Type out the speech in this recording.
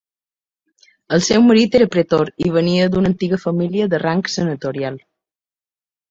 El seu marit era pretor i venia d'una antiga família de rang senatorial.